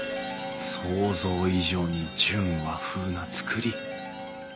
想像以上に純和風な造り。